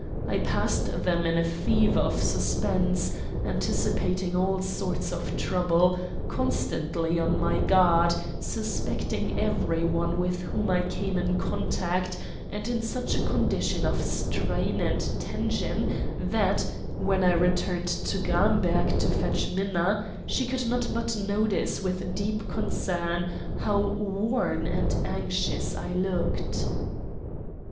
I passed them in a fever of suspense, anticipating all sorts of trouble; constantly on my guard; suspecting every one with whom I came in contact; and in such a condition of strain and tension that, when I returned to Gramberg to fetch Minna, she could not but notice with deep concern how worn and anxious I looked.